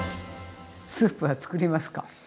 スープはつくりますか？